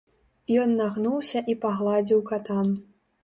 Ён нагнуўся і пагладзіў ката.